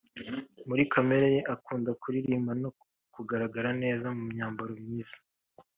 muri kamere ye akunda kurimba no kugaragara neza mu myambaro myiza